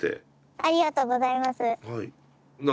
ありがとうございます。